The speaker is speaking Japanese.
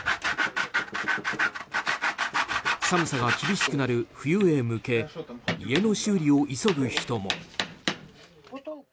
寒さが厳しくなる冬へ向け家の修理を急ぐ人も。